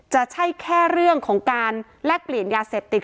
จะใช่แค่เรื่องของการแลกเปลี่ยนยาเสพติด